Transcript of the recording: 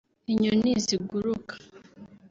inyoni ziguruka